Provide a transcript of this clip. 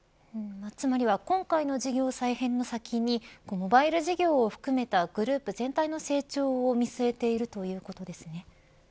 つまりは今回の事業再編の先にモバイル事業を含めたグループ全体の成長を見据えているということですね。